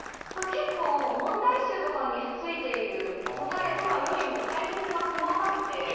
問題集とかについている答えより解説が細かくて。